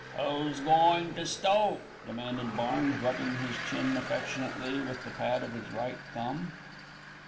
"Who's goin' to stoke?" demanded Barnes, rubbing his chin affectionately with the pad of his right thumb.